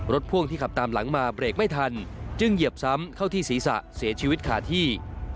พ่วงที่ขับตามหลังมาเบรกไม่ทันจึงเหยียบซ้ำเข้าที่ศีรษะเสียชีวิตขาดที่